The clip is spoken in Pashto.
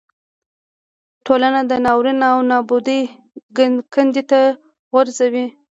ټولنه د ناورین او نابودۍ کندې ته غورځوي.